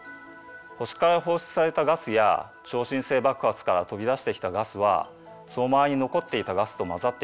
星から放出されたガスや超新星爆発から飛び出してきたガスはその周りに残っていたガスと混ざっていきます。